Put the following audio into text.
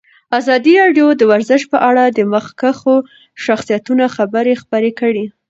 ازادي راډیو د ورزش په اړه د مخکښو شخصیتونو خبرې خپرې کړي.